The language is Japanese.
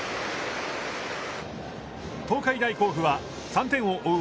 東海大甲府は、３点を追う